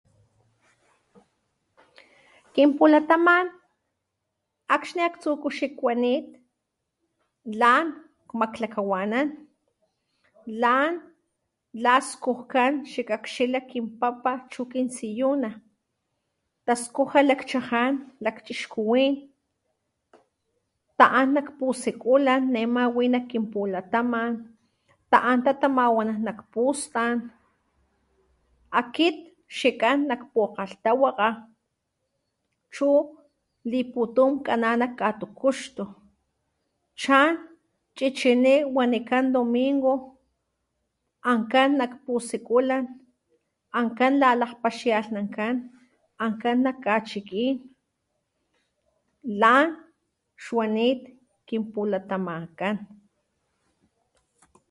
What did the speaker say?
Kinpulataman akxni aktsú ku xikwanit lan makglakgawanán lan laskujkán xik akxi nak kinpapa chu kintsiyuna. Taskuja lakchaján lakchixkuwín ta'an nak pusikulan nema wi nak kinpulatamn ta'an tantamawana nak pustan. Akit xikan nak pukgalhtawakga chu liputum kan'a nak katukuxtu chan chichiní wanikán domingo ankgan nak pu sikulan, ankgan lalapaxialhnankgan, ankgan nak Kachikín, lan xwanit kinpulatamankán.